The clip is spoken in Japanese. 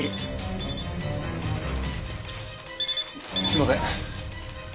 すんません。